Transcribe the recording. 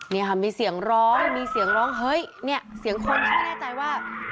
นี่ค่ะมีเสียงร้องมีเสียงร้องเฮ้ยเนี่ยเสียงคนพ่อแน่ใจว่า